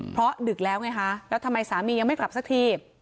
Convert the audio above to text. เพราะดึกแล้วไงคะแล้วทำไมสามียังไม่กลับสักที